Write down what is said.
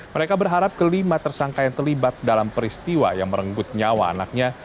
mereka berharap kelima tersangka yang terlibat dalam peristiwa yang merenggut nyawa anaknya